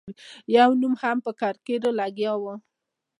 یو نيم هم لا په کړکيو لګیا و.